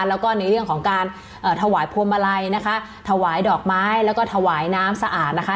แล้วก็ในเรื่องของการเอ่อถวายพวงมาลัยนะคะถวายดอกไม้แล้วก็ถวายน้ำสะอาดนะคะ